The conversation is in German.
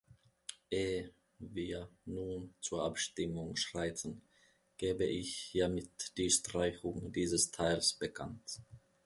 Ehe wir nun zur Abstimmung schreiten, gebe ich hiermit die Streichung dieses Teils bekannt.